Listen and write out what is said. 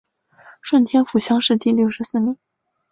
顺天府乡试第六十四名。